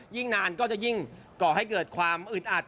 ยิ่งนานก็จะยิ่งก่อให้เกิดความอึดอัด